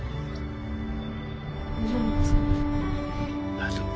大丈夫。